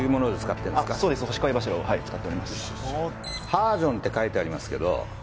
ハージョンって書いてありますけど